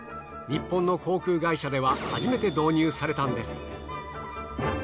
日本の航空会社では初めて導入されたんです。